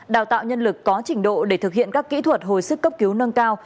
đào tạo nhân lực có trình độ để thực hiện các kỹ thuật hồi sức cấp cứu nâng cao